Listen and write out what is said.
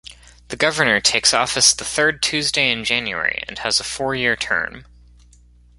The Governor takes office the third Tuesday in January, and has a four-year term.